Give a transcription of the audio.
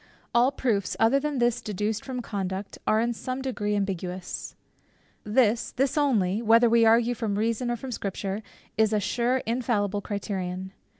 All proofs other than this deduced from conduct, are in some degree ambiguous. This, this only, whether we argue from Reason or from Scripture, is a sure infallible criterion.